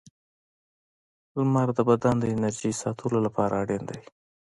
• لمر د بدن د انرژۍ ساتلو لپاره اړین دی.